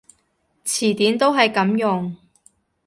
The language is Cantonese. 詞典都係噉用